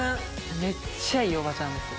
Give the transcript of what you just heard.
めっちゃいい伯母ちゃんですよ。